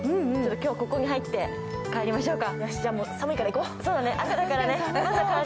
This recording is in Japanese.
今日はここに入って帰りましょうか。